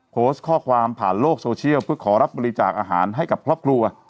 โพสต์ข้อความผ่านโลกโซเชียลเพื่อขอรับบริจาคอาหารให้กับครอบครัว